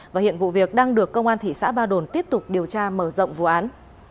và hiện vụ việc đang được công an thị xã ba đồn tiếp tục điều tra mở rộng vụ án